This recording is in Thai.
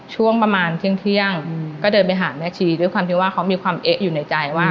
ช่วงประมาณเที่ยงก็เดินไปหาแม่ชีด้วยความที่ว่าเขามีความเอ๊ะอยู่ในใจว่า